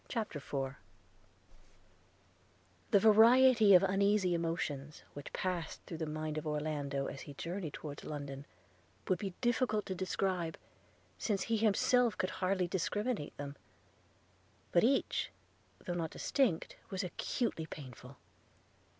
CHAPTER IV THE variety of uneasy emotions which passed through the mind of Orlando, as he journeyed towards London, would be difficult to describe, since he himself could hardly discriminate them; but each, though not distinct, was acutely painful.